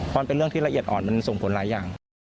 มันเป็นเรื่องที่ละเอียดอ่อนมันส่งผลหลายอย่าง